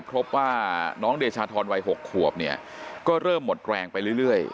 พบว่าน้องเดชาธรวัย๖ขวบเนี่ยก็เริ่มหมดแรงไปเรื่อย